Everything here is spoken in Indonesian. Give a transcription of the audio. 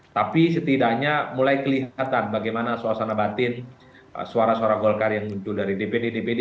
tapi setidaknya mulai kelihatan bagaimana suasana batin suara suara golkar yang muncul dari dpd dpd